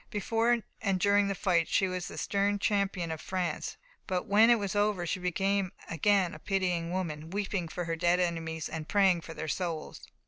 Before and during the fight she was the stern champion of France; but when it was over she became again a pitying woman, weeping for her dead enemies, and praying for their souls.